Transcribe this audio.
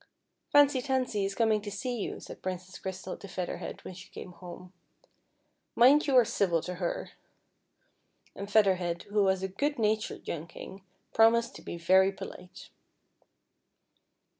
" Fancy Tansy is coming to see you," said Princess fEA TI/ER HEAD. 225 Cr\ stal to Feather Head, when she cainc home, " miiiJ }0u are civil to her;" and Feather Head, who was a good natured youn^ KinL,^ promised to be very pohte.